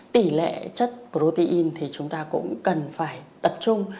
tỷ lệ chất protein thì chúng ta cũng cần phải tập trung